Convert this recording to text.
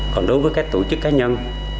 còn đối với các tổ chức cá nhân